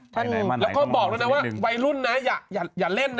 ไปในบ้านไหนต้องทำเนี้ยหนึ่งนึงค่ะน่าคนบอกนะว่าหลายรุ่นน่ะ